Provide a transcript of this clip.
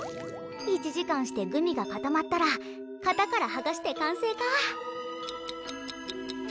１時間してグミが固まったら型からはがして完成か。